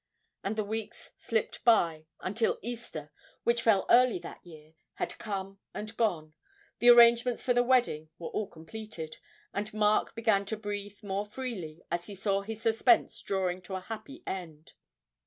And the weeks slipped by, until Easter, which fell early that year, had come and gone; the arrangements for the wedding were all completed, and Mark began to breathe more freely as he saw his suspense drawing to a happy end.